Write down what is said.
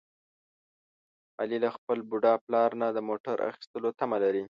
علي له خپل بوډا پلار نه د موټر اخیستلو تمه لري.